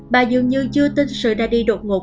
bà dường như chưa tin sự ra đi đột ngột